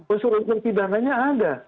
unsur unsur pidananya ada